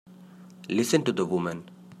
Listen to the woman!